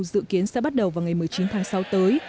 dự kiến sẽ bắt đầu vào ngày một mươi chín tháng sáu tới